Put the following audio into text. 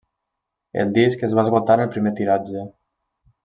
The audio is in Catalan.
El disc es va esgotar en el primer tiratge.